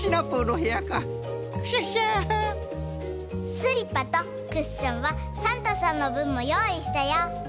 スリッパとクッションはサンタさんのぶんもよういしたよ。